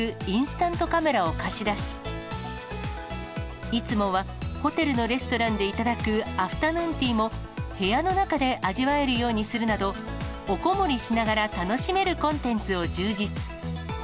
インスタントカメラを貸し出し、いつもは、ホテルのレストランで頂くアフタヌーンティーも、部屋の中で味わえるようにするなど、おこもりしながら楽しめるコンテンツを充実。